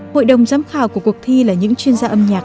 hội đồng giám khảo của cuộc thi là những chuyên gia âm nhạc